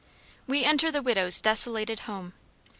We enter the widow's desolated home.